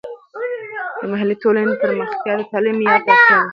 د محلي ټولنو پرمختیا د تعلیم معیار ته اړتیا لري.